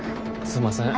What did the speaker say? すんません。